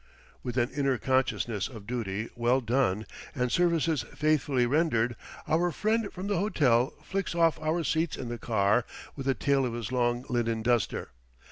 With an inner consciousness of duty well done and services faithfully rendered, our friend from the hotel flicks off our seats in the car with the tail of his long linen duster.